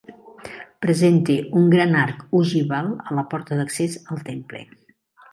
Presenta un gran arc ogival a la porta d'accés al temple.